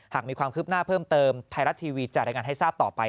หากมีความคืบหน้าเพิ่มเติมไทยรัฐทีวีจะรายงานให้ทราบต่อไป